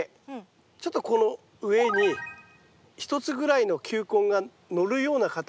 ちょっとこの上に１つぐらいの球根が乗るような形で。